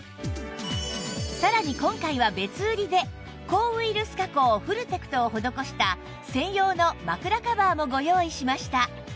さらに今回は別売りで抗ウイルス加工フルテクトを施した専用の枕カバーもご用意しました